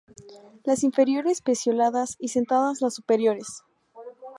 Las inferiores pecioladas y sentadas las superiores.